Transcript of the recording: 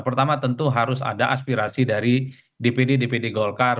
pertama tentu harus ada aspirasi dari dpd dpd golkar